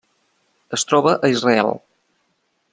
Es troba a Israel.